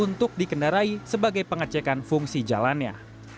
untuk dikendarai sebagai pengecekan fungsi jalannya